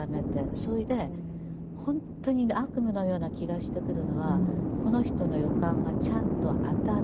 それで本当に悪夢のような気がしてくるのはこの人の予感がちゃんと当たる。